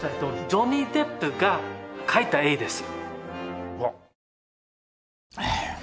ジョニー・デップが描いた絵です。